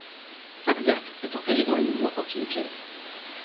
Fac Verte est engagée dans le mouvement antinucléaire.